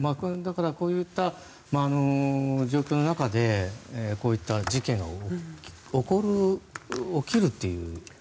こういった状況の中でこうした事件が起きるという。